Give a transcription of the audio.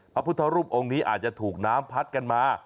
พระพุทธรูปองค์นี้อาจจะถูกน้ำพัดกันมา